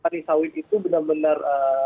tani sawit itu benar benar